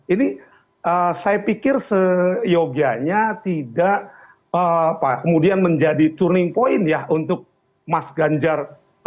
ini saya pikir seyogianya tidak kemudian menjadi turning point ya untuk mas ganjar